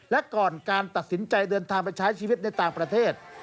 และก่อนการตัดสินใจเดินทางไปใช้ชีวิตในต่างประเทศ